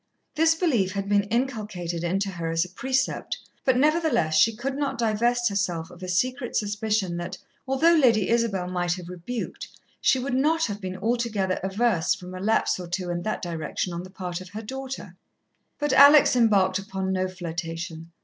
This belief had been inculcated into her as a precept but, nevertheless, she could not divest herself of a secret suspicion that, although Lady Isabel might have rebuked, she would not have been altogether averse from a lapse or two in that direction on the part of her daughter. But Alex embarked upon no flirtation.